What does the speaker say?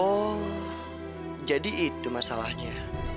oh jadi itu masalahnya